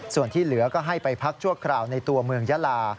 ส่วนที่เหลือก็ให้ไปพักชั่วคราวในตัวเมืองยาลา